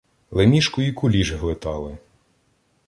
Лемішку і куліш глитали